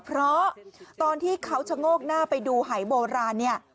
เพราะตอนที่เขาจะโง่งหน้าไปดูหายโบราณ